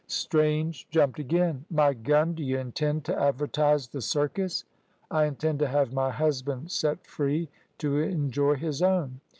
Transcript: Strange jumped again. "My gun! D'y' intend t' advertise th' circus?" "I intend to have my husband set free to enjoy his own.